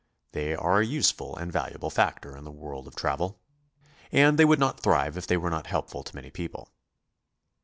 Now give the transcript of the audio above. They are a useful and valuable factor in the world of travel. And they would not thrive if they were not helpful to many people.